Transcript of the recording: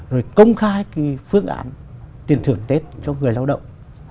rồi công khai cái phương án tiền thưởng tết cho người lao động